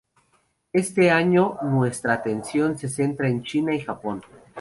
Este año nuestra atención se centra en China y Japón.